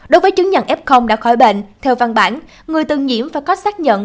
đối với chứng nhận f đã khỏi bệnh theo văn bản người từng nhiễm phải có xác nhận